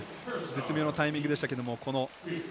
絶妙なタイミングでしたが。